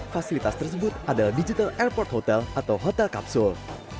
fasilitas tersebut adalah digital airport hotel atau hotel kapsul